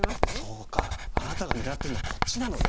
「そうかあなたが狙ってるのはこっちなのね」。